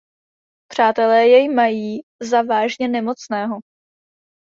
Přátelé jej mají za vážně nemocného.